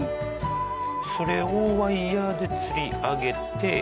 それをワイヤーで吊り上げて。